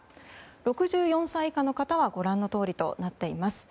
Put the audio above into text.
６４歳以下の方はご覧のとおりとなっています。